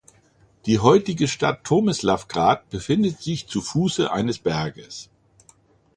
Die heutige Stadt Tomislavgrad befindet sich zu Fuße eines Berges.